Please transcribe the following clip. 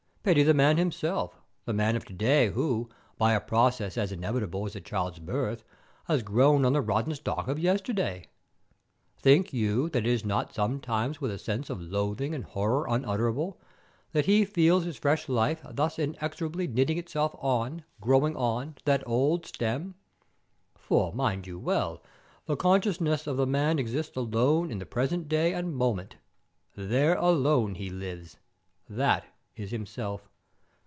Pity the man himself, the man of today who, by a process as inevitable as the child's birth, has grown on the rotten stock of yesterday. Think you, that it is not sometimes with a sense of loathing and horror unutterable, that he feels his fresh life thus inexorably knitting itself on, growing on, to that old stem? For, mind you well, the consciousness of the man exists alone in the present day and moment. There alone he lives. That is himself.